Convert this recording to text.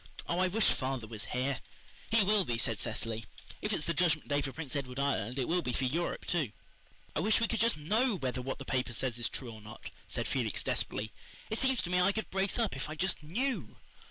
Oh, I wish father was here." "He will be," said Cecily. "If it's the Judgment Day for Prince Edward Island it will be for Europe, too." "I wish we could just KNOW whether what the paper says is true or not," said Felix desperately. "It seems to me I could brace up if I just KNEW."